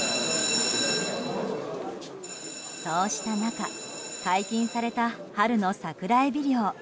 そうした中、解禁された春の桜エビ漁。